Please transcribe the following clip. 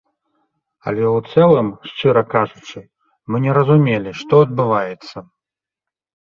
Але ў цэлым, шчыра кажучы, мы не разумелі, што адбываецца.